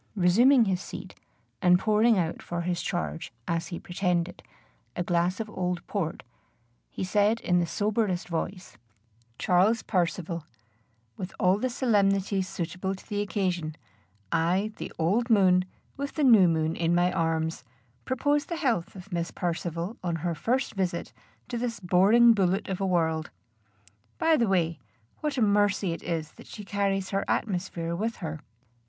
Resuming his seat, and pouring out for his charge, as he pretended, a glass of old port, he said in the soberest voice: "Charles Percivale, with all the solemnity suitable to the occasion, I, the old moon, with the new moon in my arms, propose the health of Miss Percivale on her first visit to this boring bullet of a world. By the way, what a mercy it is that she carries her atmosphere with her!"